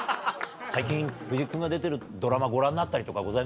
最近藤木君が出てるドラマご覧になったりとかございます？